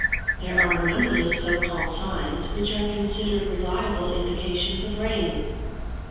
There are numberless so called signs, which are considered reliable indications of rain.